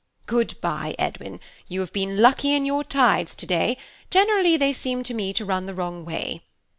Good bye, Edwin, you have been lucky in your tides to day; generally they seem to me to run the wrong way.